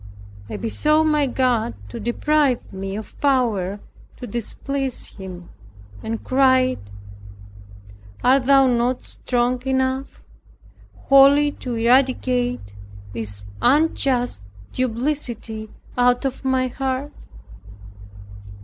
I besought my God to deprive me of power to displease Him, and cried, "Art thou not strong enough wholly to eradicate this unjust duplicity out of my heart?"